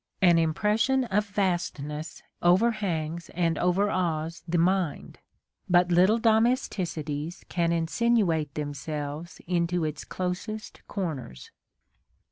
An impression of vast ness overhangs and overawes the mind : but little domesticities can insinuate themselves into its A DAY WITH WILLIAM MORRIS. closest corners.